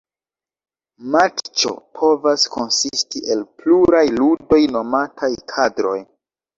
Matĉo povas konsisti el pluraj ludoj nomataj "kadroj".